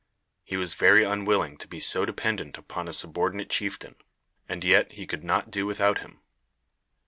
He was very unwilling to be so dependent upon a subordinate chieftain, and yet he could not do without him.